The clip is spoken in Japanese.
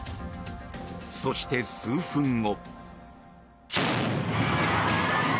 そして、数分後。